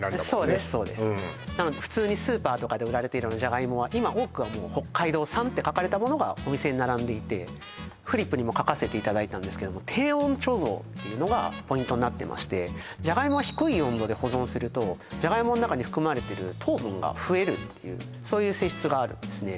そうですそうですなので普通にスーパーとかで売られているじゃがいもは今多くは「北海道産」って書かれたものがお店に並んでいてフリップにも書かせていただいたんですけどもになってましてじゃがいもは低い温度で保存するとじゃがいもの中に含まれてる糖分が増えるっていうそういう性質があるんですね